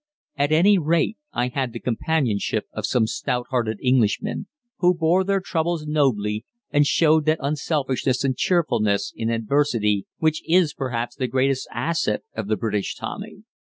At any rate I had the companionship of some stout hearted Englishmen, who bore their troubles nobly and showed that unselfishness and cheerfulness in adversity which is perhaps the greatest asset of the British Tommy.